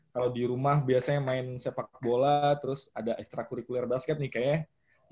kalau di rumah biasanya main sepak bola terus ada ekstra kurikuler basket nih kayaknya